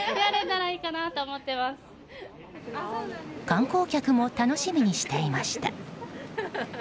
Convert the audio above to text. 観光客も楽しみにしていました。